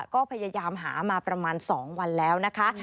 ก็พยายามหามาประมาณ๒วันแล้วนะคะ